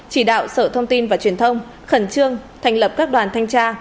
chỉ đạo sở thông tin và truyền thông khẩn trương thành lập các đoàn thanh tra